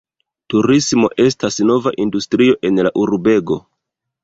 Turismo estas nova industrio en la urbego.